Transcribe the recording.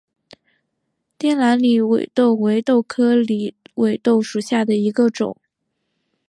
滇南狸尾豆为豆科狸尾豆属下的一个种。